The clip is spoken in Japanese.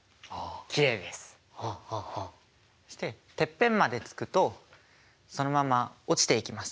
そしててっぺんまで着くとそのまま落ちていきます。